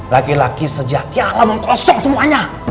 laki laki sejati alam kosong semuanya